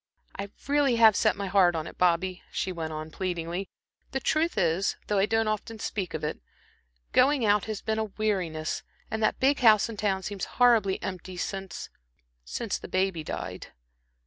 I really have set my heart on it, Bobby," she went on, pleadingly. "The truth is, though I don't often speak of it, going out has been a weariness, and that big house in town seems horribly empty since since the baby died."